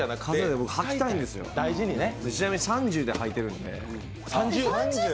ちなみに３０ｃｍで履いてるんで。